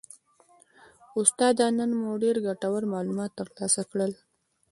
استاده نن مو ډیر ګټور معلومات ترلاسه کړل